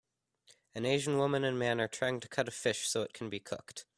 An asian woman and man are trying to cut a fish so it can be cooked.